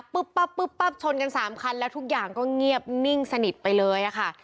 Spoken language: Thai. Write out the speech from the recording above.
ปั๊บปุ๊บปั๊บชนกัน๓คันแล้วทุกอย่างก็เงียบนิ่งสนิทไปเลยค่ะ